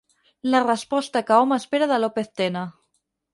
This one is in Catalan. La resposta que hom espera de López Tena.